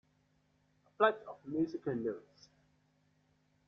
A flight of musical notes.